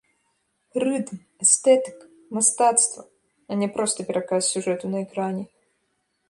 Рытм, эстэтыка, мастацтва, а не проста пераказ сюжэту на экране.